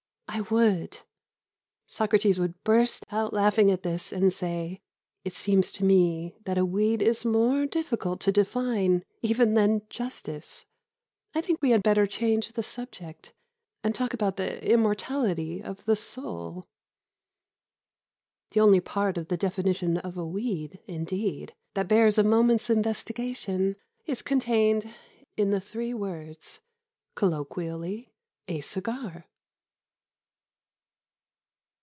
"I would." Socrates would burst out laughing at this, and say: "It seems to me that a weed is more difficult to define even than justice. I think we had better change the subject and talk about the immortality of the soul." The only part of the definition of a weed, indeed, that bears a moment's investigation is contained in the three words: "colloq., a cigar."